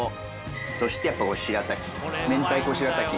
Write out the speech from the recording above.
そしてやっぱしらたき明太子しらたき。